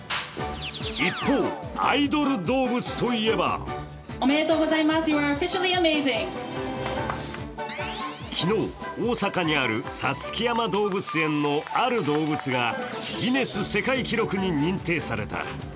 一方、アイドル動物といえば昨日、大阪にある五月山動物園のある動物がギネス世界記録に認定された。